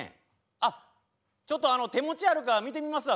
あっちょっとあの手持ちあるか見てみますわ。